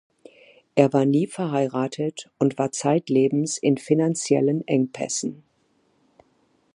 Er war nie verheiratet und war zeitlebens in finanziellen Engpässen.